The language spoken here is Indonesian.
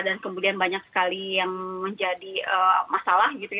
dan kemudian banyak sekali yang menjadi masalah gitu ya